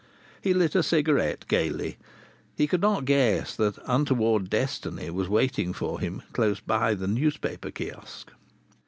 He lit a cigarette gaily. He could not guess that untoward destiny was waiting for him close by the newspaper kiosque.